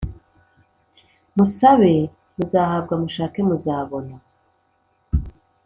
Musabe muzahabwa mushake muzabona